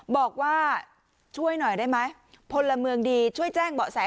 บอกว่าช่วยหน่อยได้ไหมพลเมืองดีช่วยแจ้งเบาะแส